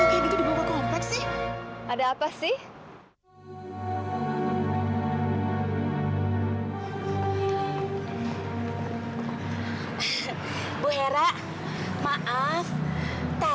aku juga nggak kecewa sama evita